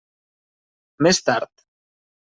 Més tard.